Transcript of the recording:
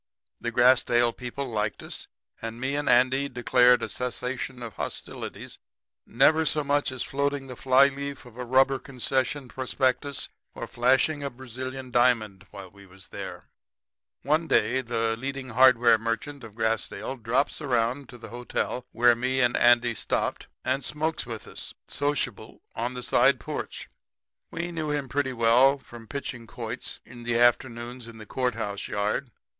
The Grassdale people liked us, and me and Andy declared a cessation of hostilities, never so much as floating the fly leaf of a rubber concession prospectus or flashing a Brazilian diamond while we was there. "One day the leading hardware merchant of Grassdale drops around to the hotel where me and Andy stopped, and smokes with us, sociable, on the side porch. We knew him pretty well from pitching quoits in the afternoons in the court house yard.